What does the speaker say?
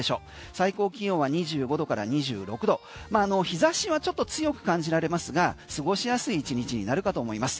最高気温は２５度から２６度日差しはちょっと強く感じられますが過ごしやすい１日になるかと思います。